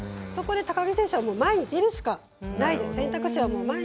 そこで高木選手は前に出るしかないです。